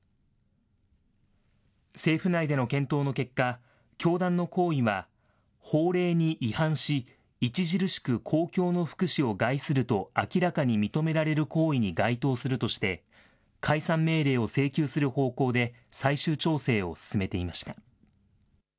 政府内での検討の結果、教団の行為は法令に違反し著しく公共の福祉を害すると明らかに認められる行為に該当するとして解散命令を請求する方向で最終調整を進めていました。